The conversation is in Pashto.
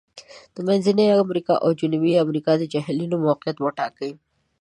د منځني امریکا او جنوبي امریکا د جهیلونو موقعیت وټاکئ.